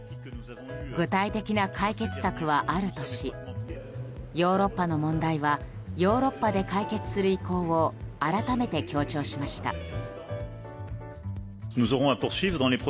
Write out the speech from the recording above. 具体的な解決策はあるとしヨーロッパの問題はヨーロッパで解決する意向を改めて強調しました。